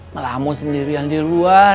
melamu sendirian di luar